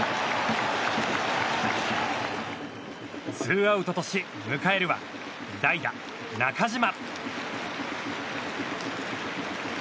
ツーアウトとし迎えるは代打、中島。